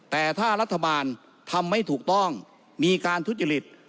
แต่ถ้ารัฐบาลทำไม่ถูกต้องมีการทุจริต